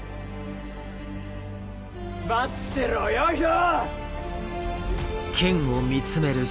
待ってろよ漂！